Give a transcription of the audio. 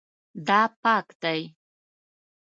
دا پاک دی